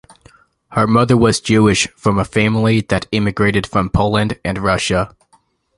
Her mother was Jewish, from a family that emigrated from Poland and Russia.